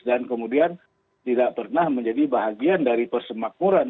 dan kemudian tidak pernah menjadi bahagian dari persemakmuran